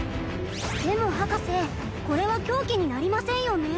でも博士これは凶器になりませんよね？